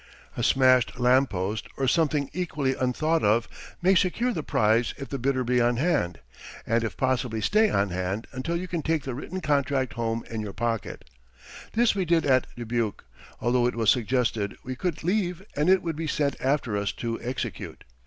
A smashed lamp post or something equally unthought of may secure the prize if the bidder be on hand. And if possible stay on hand until you can take the written contract home in your pocket. This we did at Dubuque, although it was suggested we could leave and it would be sent after us to execute.